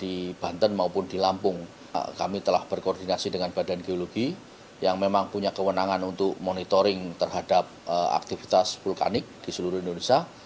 di banten maupun di lampung kami telah berkoordinasi dengan badan geologi yang memang punya kewenangan untuk monitoring terhadap aktivitas vulkanik di seluruh indonesia